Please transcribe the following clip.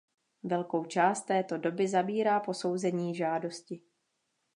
Velkou část této doby zabírá posouzení žádosti.